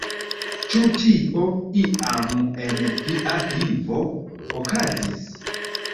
Ĉu tio, iam en via vivo, okazis?